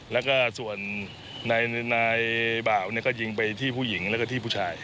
แล้วก็ส่วนนายบ่าวก็ยิงไปที่ผู้หญิงแล้วก็ที่ผู้ชาย